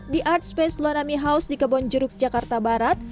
the art space lonami house di kebonjeruk jakarta barat